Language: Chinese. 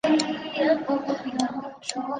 总觉得还不如先前看到的好